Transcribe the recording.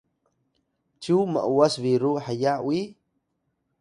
cyu m’was-biru heya uyi?